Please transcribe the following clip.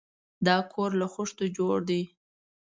دا کور له خښتو جوړ دی.